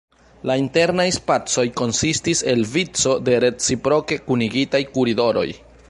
La internaj spacoj konsistis el vico de reciproke kunigitaj koridoroj.